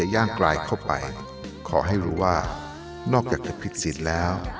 ย่างกลายเข้าไปขอให้รู้ว่านอกจากจะผิดสิทธิ์แล้ว